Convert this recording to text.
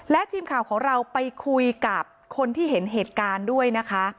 และทีมข่าวของเราไปคุยกับคนที่เห็นเหตุการณ์ด้วยนะคะ